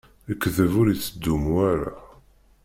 Lekdeb ur ittdummu ara.